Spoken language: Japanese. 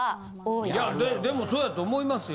いやでもそうやと思いますよ。